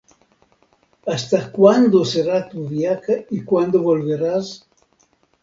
¿Hasta cuándo será tu viaje, y cuándo volverás?